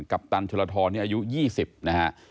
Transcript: กัปตันชนทรนเนี่ยอายุ๒๐นะฮะ